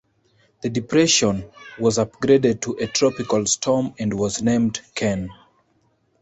The depression was upgraded to a tropical storm and was named Ken.